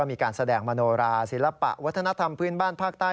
มีการแสดงมโนราศิลปะวัฒนธรรมพื้นบ้านภาคใต้